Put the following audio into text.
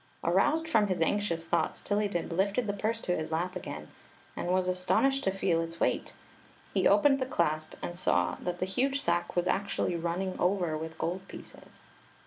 Arouser ^rom his anxious thoughts, Tillydib lifted the purse to his lap again, and was astonished to feel its weight He opened the cla^ and saw that the Story of the Magic Cloak ,33 huge tack was aetuaily running over with gold pieces.